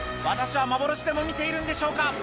私は幻でも見ているんでしょうか？